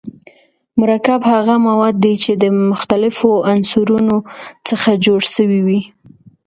مرکب هغه مواد دي چي د مختليفو عنصرونو څخه جوړ سوی وي.